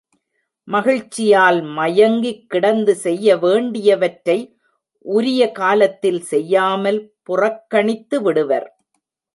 மகிழ்ச்சியால் மயங்கிக்கிடந்து செய்ய வேண்டியவற்றை உரிய காலத்தில் செய்யாமல் புறக்கணித்துவிடுவர்.